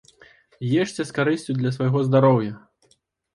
Ешце з карысцю для свайго здароўя!